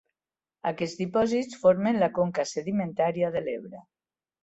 Aquests dipòsits formen la conca sedimentària de l'Ebre.